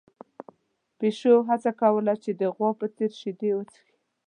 پيشو هڅه کوله چې د غوا په څېر شیدې وڅښي.